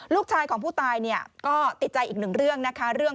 ลูกชายของผู้ตายก็ติดใจอีกหนึ่งเรื่อง